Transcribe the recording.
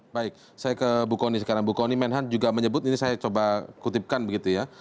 baik saya ke bu kony sekarang bu kony menhan juga menyebut ini saya coba kutipkan begitu ya